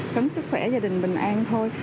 khấn sức khỏe gia đình bình an thôi